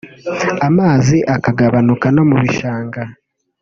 amazi akagabanuka no mu bishanga